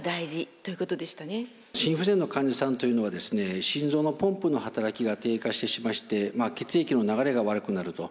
心不全の患者さんというのは心臓のポンプの働きが低下しまして血液の流れが悪くなると。